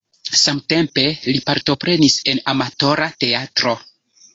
Samtempe li partoprenis en amatora teatro.